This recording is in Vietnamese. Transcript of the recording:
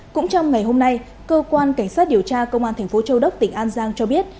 cũng trong ngày hôm nay cơ quan cảnh sát điều tra công an thành phố châu đốc tỉnh an giang cho biết